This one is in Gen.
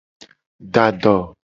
Da do.